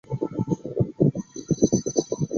还有数个多用途室供住客借用。